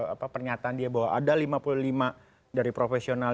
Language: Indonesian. apa pernyataan dia bahwa ada lima puluh lima dari profesional